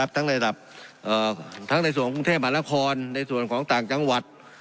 ทั้งในส่วนของกรุงเทพฯบรรละครในส่วนของต่างจังหวัด